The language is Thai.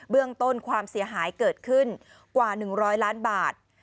เรื่องต้นความเสียหายเกิดขึ้นกว่า๑๐๐ล้านบาท